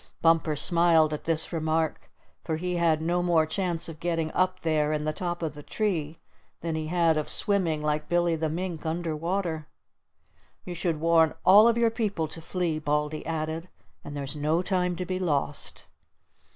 Bumper smiled at this remark, for he had no more chance of getting up there in the top of the tree than he had of swimming like Billy the Mink under water. "You should warn all of your people to flee," Baldy added. "And there's no time to be lost."